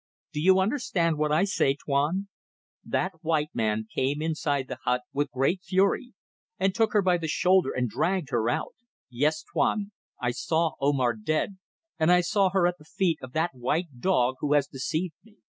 Do you understand what I say, Tuan? That white man came inside the hut with great fury, and took her by the shoulder, and dragged her out. Yes, Tuan. I saw Omar dead, and I saw her at the feet of that white dog who has deceived me.